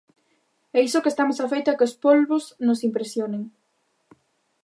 E iso que estamos afeitos a que os polbos nos impresionen.